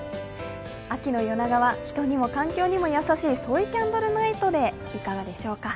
秋の夜長は人にも環境にも優しいソイキャンドルナイトでいかがでしょうか？